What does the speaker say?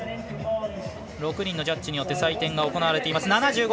６人のジャッジによって採点が行われています。